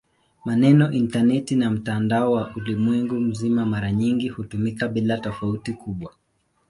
Maneno "intaneti" na "mtandao wa ulimwengu mzima" mara nyingi hutumika bila tofauti kubwa.